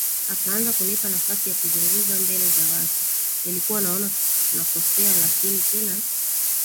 akaanza kunipa nafasi ya kuzungumza mbele za watu nilikuwa naona nakosea lakini kila